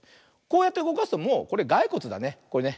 こうやってうごかすともうこれガイコツだねこれね。